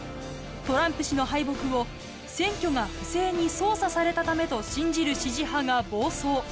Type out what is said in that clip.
トランプ氏の敗北を「選挙が不正に操作されたため」と信じる支持派が暴走。